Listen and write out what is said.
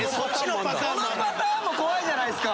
そのパターンも怖いじゃないですか。